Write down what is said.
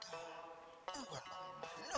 itu kan menggunung ya